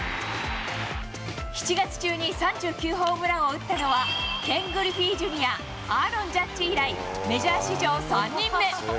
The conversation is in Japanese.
７月中に３９ホームランを打ったのは、Ｋ・グリフィーＪｒ．、アーロン・ジャッジ以来、メジャー史上３人目。